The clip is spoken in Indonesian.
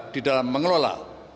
di dalam mengelola